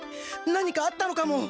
何かあったのかも！